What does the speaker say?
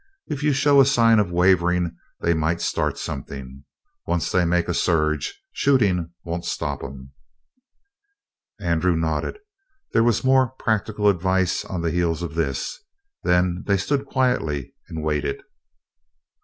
If you show a sign of wavering they might start something. Once they make a surge, shooting won't stop 'em." Andrew nodded. There was more practical advice on the heels of this. Then they stood quietly and waited.